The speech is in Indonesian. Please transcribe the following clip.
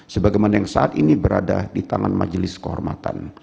sebagaimana yang saat ini berada di tangan majelis kehormatan